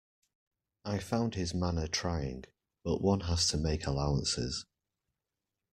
I found his manner trying, but one has to make allowances.